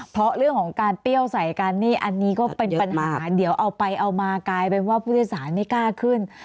เพราะเรื่องของการเปรี้ยวใส่กันนี่อันนี้ก็เป็นปัญหาเดี๋ยวเอาไปเอามากลายเป็นว่าผู้โดยสารไม่กล้าขึ้น